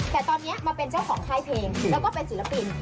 แต่ตอนนี้มาเป็นเจ้าของค่ายเพลงแล้วก็เป็นศิลปิน